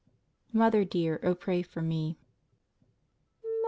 Mother Dear, Oh, Pray for Me 1.